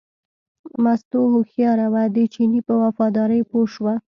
مستو هوښیاره وه، د چیني په وفادارۍ پوه شوه.